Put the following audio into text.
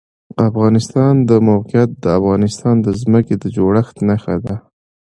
د افغانستان د موقعیت د افغانستان د ځمکې د جوړښت نښه ده.